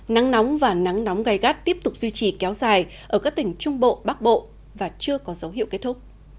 nắng nóng và nắng nóng gai gắt tiếp tục duy trì kéo dài ở các tỉnh trung bộ bắc bộ và chưa có dấu hiệu kết thúc